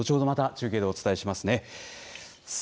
また中継でお伝えしますね。